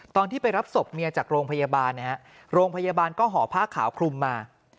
ตอนที่ไปรับศพเมียจากโรงพยาบาลนะฮะโรงพยาบาลก็ห่อผ้าขาวคลุมมา